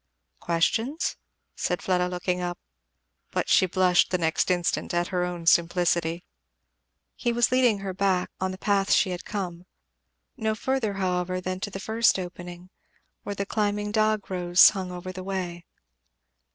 "Questions?" said Fleda looking up. But she blushed the next instant at her own simplicity. He was leading her back on the path she had come. No further however than to the first opening, where the climbing dog rose hung over the way.